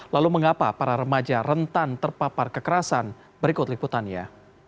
lalu mengapa para remaja rentan terpapar kekerasan berikut liputannya